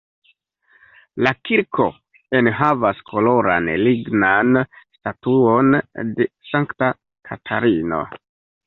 La kirko enhavas koloran lignan statuon de sankta Katarino.